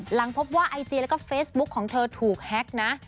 หลังพบว่าไอจีแล้วก็เฟซบุ๊กของเธอถูกแฮ็กนะ